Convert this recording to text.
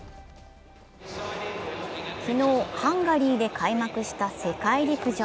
昨日、ハンガリーで開幕した世界陸上。